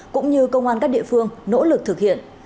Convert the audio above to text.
cũng như công an các địa phương nỗ lực thực hiện